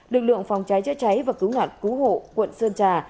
lực lượng phòng cháy chữa cháy và cứu nạn cứu hộ quận sơn trà